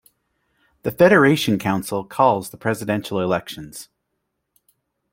The Federation Council calls the presidential elections.